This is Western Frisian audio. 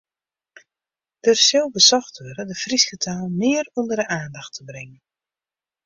Der sil besocht wurde de Fryske taal mear ûnder de oandacht te bringen.